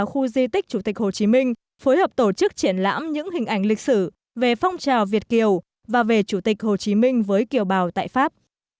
hội đoàn hồ chí minh phối hợp tổ chức triển lãm những hình ảnh lịch sử về phong trào việt kiều và về chủ tịch hồ chí minh với kiều bào tại pháp